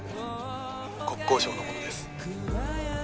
国交省の者です。